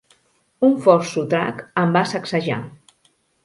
Un fort sotrac em va sacsejar.